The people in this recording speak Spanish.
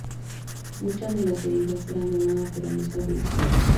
Muchas de las heridas eran de una naturaleza horrible.